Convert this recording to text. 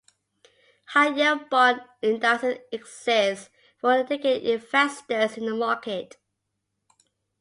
High-yield bond indices exist for dedicated investors in the market.